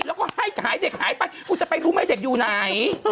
แล้วก็ให้หายเด็กหายไปคุณจะไปรู้ไหมเด็กอยู่ไหน